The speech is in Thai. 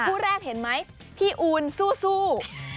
คู่แรกเห็นไหมพี่อูนสู้